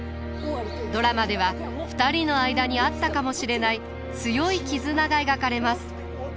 ドラマでは２人の間にあったかもしれない強い絆が描かれます。